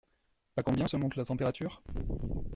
À combien se monte la température ?